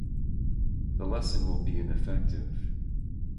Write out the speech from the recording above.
The lesson will be ineffective.